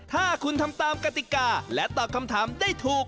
ถ้าคุณทำตามกติกาและตอบคำถามได้ถูก